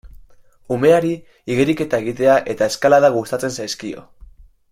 Umeari igeriketa egitea eta eskalada gustatzen zaizkio.